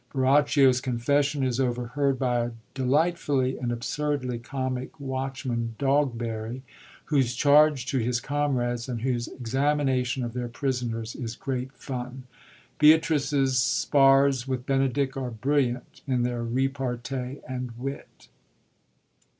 Borachio's confession is overheard by a delightfully and absurdly comic watchman, Dog berry, whose charge to his comrades, and whose ex amination of their prisoners, is great fun. Beatrice's spars with Benedick are brilliant in their repartee and wit.